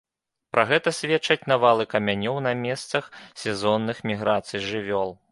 Пра гэта сведчаць навалы камянёў на месцах сезонных міграцый жывёл.